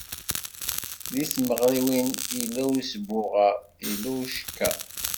Deg tmeɣriwin, yella usbuɣer, yella ucekker.